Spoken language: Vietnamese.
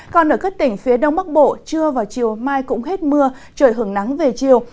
còn ở các tỉnh phía đông bắc bộ trưa vào chiều mai cũng hết mưa trời hưởng nắng về chiều